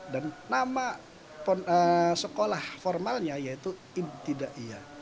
dan nama sekolah formalnya yaitu ibtidaiyah